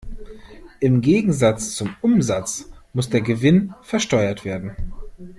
Im Gegensatz zum Umsatz muss der Gewinn versteuert werden.